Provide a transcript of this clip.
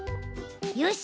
よし！